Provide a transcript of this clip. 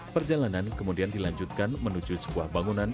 perjalanan kemudian dilanjutkan menuju sebuah bangunan